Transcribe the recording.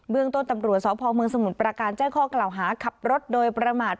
เรื่องต้นตำรวจสพเมืองสมุทรประการแจ้งข้อกล่าวหาขับรถโดยประมาท